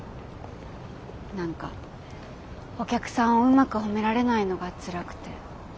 何かお客さんをうまく褒められないのがつらくて。